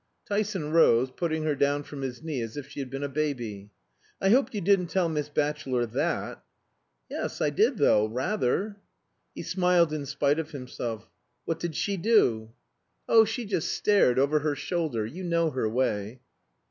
Tyson rose, putting her down from his knee as if she had been a baby. "I hope you didn't tell Miss Batchelor that?" "Yes, I did though rather!" He smiled in spite of himself. "What did she do?" "Oh, she just stared over her shoulder; you know her way."